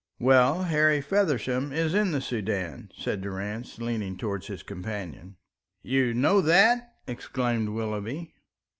"Well, Harry Feversham is in the Soudan," said Durrance, leaning towards his companion. "You know that?" exclaimed Willoughby.